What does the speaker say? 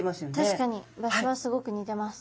確かに場所はすごく似てます。